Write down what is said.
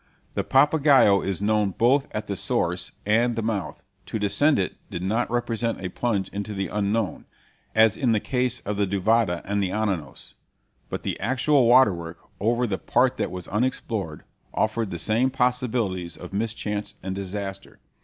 The Papagaio is known both at the source and the mouth; to descend it did not represent a plunge into the unknown, as in the case of the Duvida or the Ananas; but the actual water work, over the part that was unexplored, offered the same possibilities of mischance and disaster.